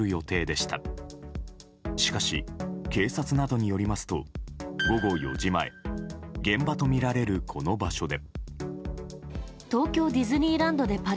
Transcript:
しかし、警察などによりますと午後４時前現場とみられる、この場所で。